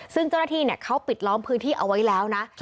ซึ่งเจ้าหน้าที่เขาปิดล้อมพื้นที่เอาไว้แล้วนะ